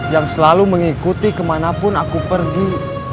yang selalu mengikuti kemanapun aku pergi